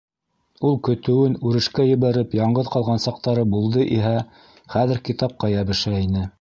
Ул, көтөүен үрешкә ебәреп яңғыҙ ҡалған саҡтары булды иһә, хәҙер китапҡа йәбешә ине.